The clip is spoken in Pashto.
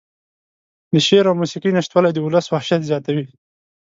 د شعر او موسيقۍ نشتوالى د اولس وحشت زياتوي.